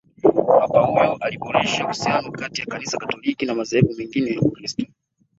papa huyo aliboresha uhusiano kati ya kanisa katoliki na madhehebu mengine ya ukristo